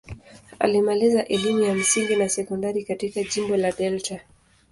Alimaliza elimu ya msingi na sekondari katika jimbo la Delta.